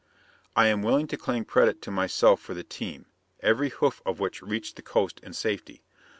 I am willing to claim credit to myself for the team, every hoof of which reached the Coast in safety.